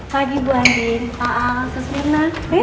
pagi bu andi